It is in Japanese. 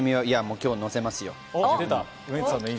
今日載せますよ。